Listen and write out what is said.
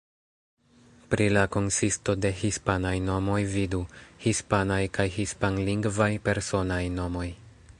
Pri la konsisto de hispanaj nomoj vidu: Hispanaj kaj hispanlingvaj personaj nomoj.